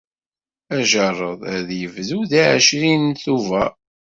Ajerred ad yebdu deg ɛecrin Tubeṛ.